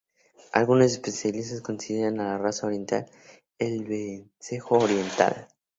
Algunos especialistas consideran a la raza oriental, el vencejo oriental.